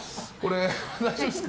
大丈夫ですか？